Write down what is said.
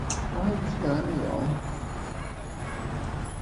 La especie es cultivada como planta ornamental por su follaje plateado.